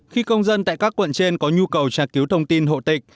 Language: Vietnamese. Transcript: khi công dân tại các quận trên có nhu cầu tra cứu thông tin hộ tịch